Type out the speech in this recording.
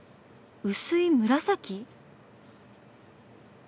薄い紫？